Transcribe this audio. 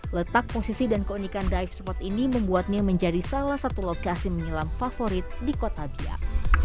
letak posisi dan keunikan dive spot ini membuatnya menjadi salah satu lokasi menyelam favorit di kota biak